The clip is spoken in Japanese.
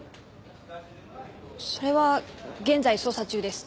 それは現在捜査中です。